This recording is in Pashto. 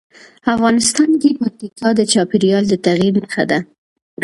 افغانستان کې پکتیکا د چاپېریال د تغیر نښه ده.